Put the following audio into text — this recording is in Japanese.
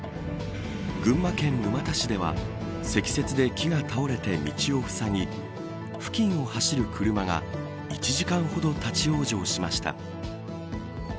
群馬県沼田市では積雪で木が倒れて道をふさぎ付近を走る車が１時間ほど立ち往生しました。